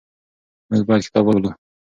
موږ باید کتاب ولولو.